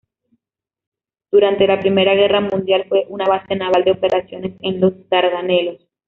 Durante la Primera Guerra Mundial fue una base naval de operaciones en los Dardanelos.